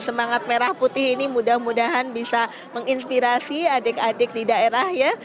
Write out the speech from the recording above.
semangat merah putih ini mudah mudahan bisa menginspirasi adik adik di daerah ya